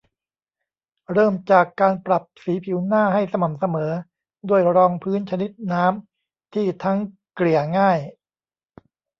เริ่มจากการปรับสีผิวหน้าให้สม่ำเสมอด้วยรองพื้นชนิดน้ำที่ทั้งเกลี่ยง่าย